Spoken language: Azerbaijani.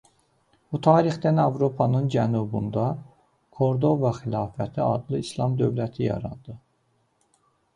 Bu tarixdən Avropanın cənubunda Kordova xilafəti adlı islam dövləti yarandı.